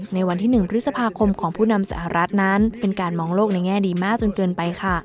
ในวันที่๑พฤษภาคมของผู้นำสหรัฐนั้นเป็นการมองโลกในแง่ดีมากจนเกินไปค่ะ